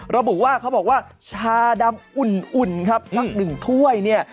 ระบุว่าเขาบอกว่าชาดำอุ่นครับสักหนึ่งถ้วยเนี่ย